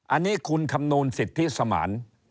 อันนี้คุณคำนวณสิทธิสมาน